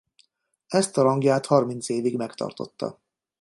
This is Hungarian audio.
Ezt a rangját harminc évig megtartotta.